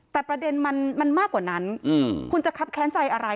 แต่ประเด็นมันมากกว่านั้นคุณจะคับแค้นใจอะไร